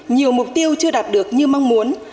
nhiều mục tiêu chưa đạt được như mong muốn